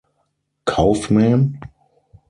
Kaufman.